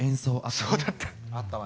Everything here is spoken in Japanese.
そうだった。